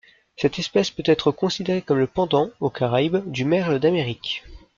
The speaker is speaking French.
Cette espèce peut être considérée comme le pendant, aux Caraïbes, du Merle d'Amérique.